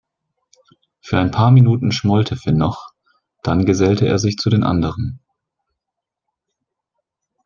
Für ein paar Minuten schmollte Finn noch, dann gesellte er sich zu den anderen.